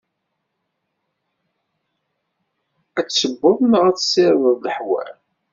Ad tessewweḍ neɣ ad tessirdeḍ leḥwal?